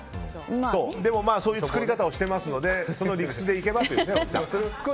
でもそういう作り方をしていますのでその理屈でいけばということです。